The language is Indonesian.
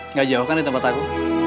nggak jauh kan di tempat aku